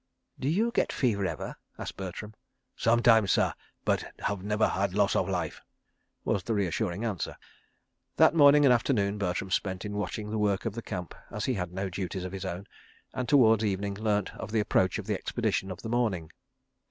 ..." "D'you get fever ever?" asked Bertram. "Sometimes, sah, but have never had loss of life," was the reassuring answer. ... That morning and afternoon Bertram spent in watching the work of the Camp, as he had no duties of his own, and towards evening learnt of the approach of the expedition of the morning.